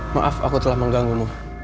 maaf aku telah mengganggu mu